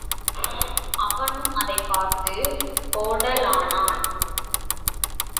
அவனும் அதைப் பார்த்து ஓடலானான்.